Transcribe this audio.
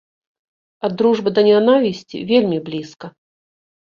Ад дружбы да нянавісці вельмі блізка.